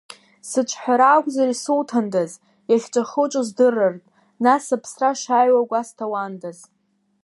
Сыҿҳәара акәзар исуҭандаз, иахьҿахуҵәо здырыртә, нас аԥсра шааиуа гәасҭауандаз…